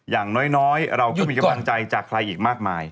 อย่างน้อยเราก็มีกำลังใจจากใครอีกมากมาย